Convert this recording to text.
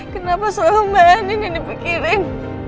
kenapa selalu mbak anin yang dipikirin